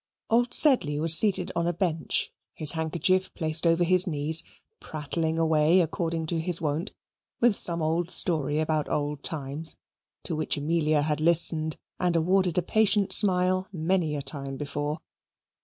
Old Sedley was seated on a bench, his handkerchief placed over his knees, prattling away, according to his wont, with some old story about old times to which Amelia had listened and awarded a patient smile many a time before.